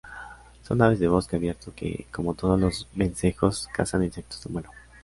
Son aves de bosque abierto que, como todos los vencejos, cazan insectos en vuelo.